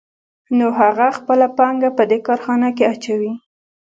نو هغه خپله پانګه په دې کارخانه کې اچوي